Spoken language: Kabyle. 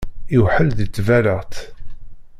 Iwḥel di tballaɣt.